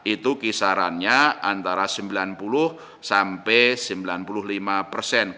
itu kisarannya antara sembilan puluh sampai sembilan puluh lima persen